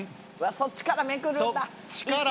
そっちからめくるんだ。